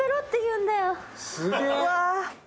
うわ！